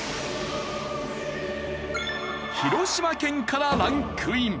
広島県からランクイン。